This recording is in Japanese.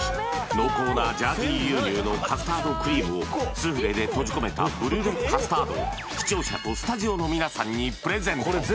濃厚なジャージー牛乳のカスタードクリームをスフレで閉じ込めたブリュレカスタードを視聴者とスタジオのみなさんにプレゼント